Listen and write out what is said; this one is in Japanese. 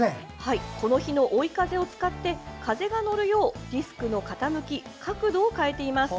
この日の追い風を使って風が乗るようディスクの傾き、角度を変えています。